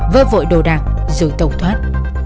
vơ vội đồ đạc dưới tàu thoát